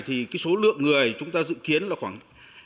thì số lượng người chúng ta dự kiến là khoảng hai mươi